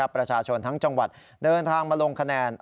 ประชาชนทั้งจังหวัดเดินทางมาลงคะแนน